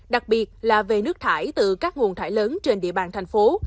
đặc biệt là về nước thải từ các nguồn thải lớn trên địa bàn thành phố